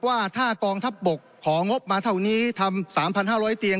ว่าถ้ากองทัพบกของงบมาเท่านี้ทำสามพันห้าร้อยเตียง